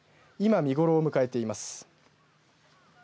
いま、見頃を迎えています。